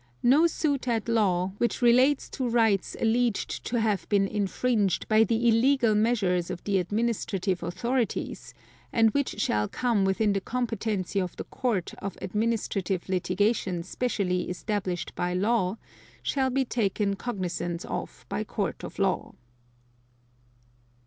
No suit at law, which relates to rights alleged to have been infringed by the illegal measures of the administrative authorities, and which shall come within the competency of the Court of Administrative Litigation specially established by law, shall be taken cognizance of by Court of Law.